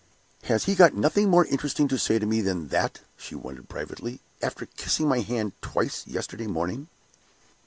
"Has he got nothing more interesting to say to me than that," she wondered, privately, "after kissing my hand twice yesterday morning?"